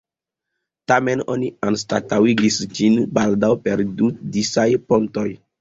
Tamen oni anstataŭigis ĝin baldaŭ per du disaj pontoj.